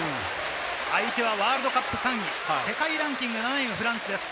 相手はワールドカップ３位、世界ランキング７位のフランスです。